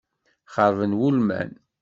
Xeṛben wulman.